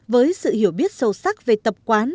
với sự hiểu biết sâu sắc về tập quán